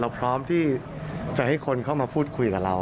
พร้อมที่จะให้คนเข้ามาพูดคุยกับเรา